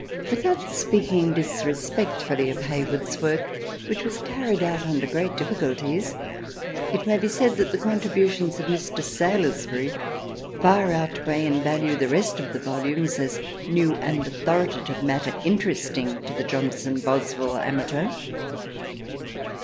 Without speak ing disrespectfully of Hayward's work, which was carried out under great difficulties, it may be said that the contributions of Mr. Salusbury far outweigh in value the rest of the Volumes, as new and autho ritative matter interesting to the Johnson Boswell amateur.